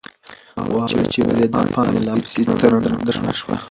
واوره چې وورېده، پاڼه لا پسې درنه شوه.